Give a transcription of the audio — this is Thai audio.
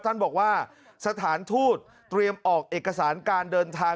ท่านบอกว่าสถานทูตเตรียมออกเอกสารการเดินทาง